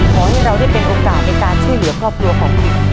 ขอให้เราได้เป็นโอกาสในการช่วยเหลือครอบครัวของคุณ